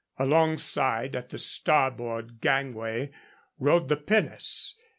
Alongside, at the starboard gangway, rode the pinnace.